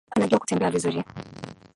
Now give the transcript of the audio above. Anajua kutembea vizuri